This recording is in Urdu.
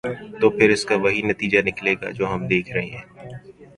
تو پھر اس کا وہی نتیجہ نکلے گا جو ہم دیکھ رہے ہیں۔